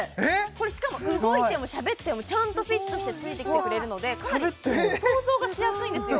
これしかも動いてもしゃべってもちゃんとフィットしてついてきてくれるのでかなり想像がしやすいんですよ